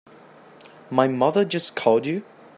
My mother just called you?